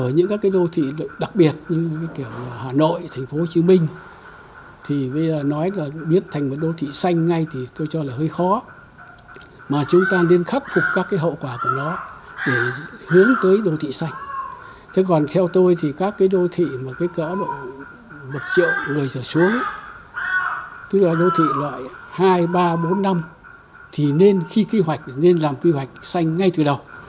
hai ba bốn năm thì nên khi kế hoạch nên làm kế hoạch xanh ngay từ đầu